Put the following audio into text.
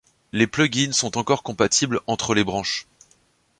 Les plugins sont encore compatibles entre les branches.